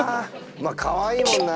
まあかわいいもんな